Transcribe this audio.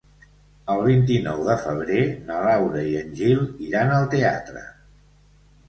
El vint-i-nou de febrer na Laura i en Gil iran al teatre.